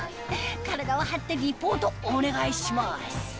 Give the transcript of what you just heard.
体を張ってリポートお願いします